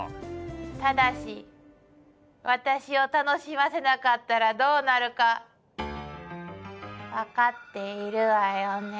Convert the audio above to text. ただし私を楽しませなかったらどうなるか分かっているわよね。